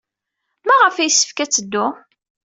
Maɣef ay yessefk ad teddu?